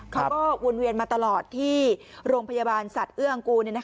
เขาก็วนเวียนมาตลอดที่โรงพยาบาลสัตว์เอื้องกู